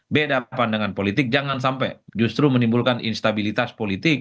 beda pandangan politik jangan sampai justru menimbulkan instabilitas politik